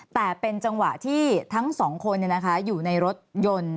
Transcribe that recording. แต่เป็นจังหวะที่ทั้งสองคนอยู่ในรถยนต์